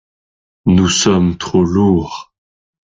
Nous sommes trop lourds.